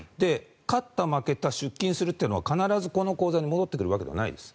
勝った、負けた出金するっていうのは必ずこの口座に戻ってくるわけではないです。